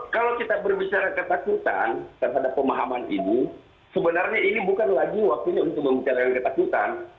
kalau kita berbicara ketakutan terhadap pemahaman ini sebenarnya ini bukan lagi waktunya untuk membicarakan ketakutan